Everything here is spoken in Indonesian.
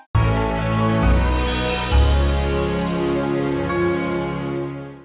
kau lihat ini